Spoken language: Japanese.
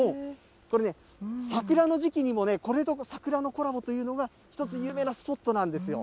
これね、桜の時期にもこれぞ桜のコラボというのが一つ、有名なスポットなんですよ。